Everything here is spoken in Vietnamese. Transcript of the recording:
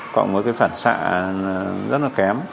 còn với cái phản xạ rất là kém